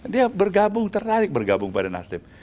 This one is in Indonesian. dia bergabung tertarik bergabung pada nasdem